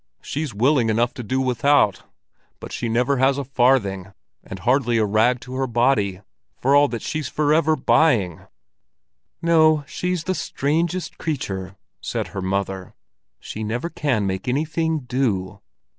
She's willing enough to do without, but she never has a farthing, and hardly a rag to her body, for all that she's for ever buying." "No, she's the strangest creature," said her mother. "She never can make anything do."